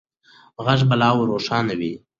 غږ به لا روښانه وي.